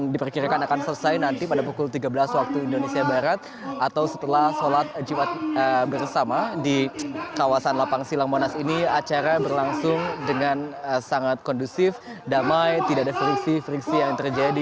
di kawasan lapang silang monas ini acara berlangsung dengan sangat kondusif damai tidak ada friksi friksi yang terjadi